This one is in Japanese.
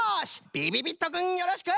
びびびっとくんよろしく！